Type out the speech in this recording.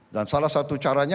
dan salah satu caranya